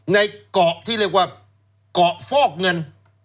ในเกาะที่เรียกว่าเกาะฟอกเงิน